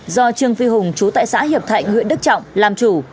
do trương phi hùng chú tại xã hiệp thạnh huyện đức trọng làm chủ